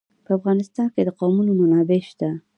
په افغانستان کې د قومونه منابع شته.